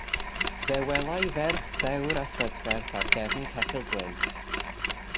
Fe welai ferch ddewr a phrydferth ar gefn ceffyl gwyn.